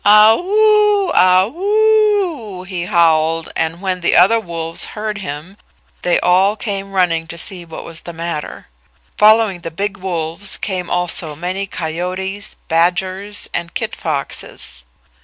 "Ah h w o o o! Ah h w o o o o!" he howled, and when the other wolves heard him they all came running to see what was the matter. Following the big wolves came also many coyotes, badgers, and kit foxes.